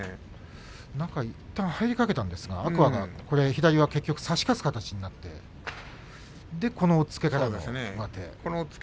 中、いったん入りかけたんですが天空海は左を差し勝つ形があってこの押っつけ。